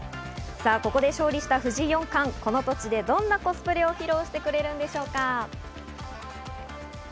ここで勝利した藤井四冠、この土地でどんなコスプレを披露してくれるのでしょうか。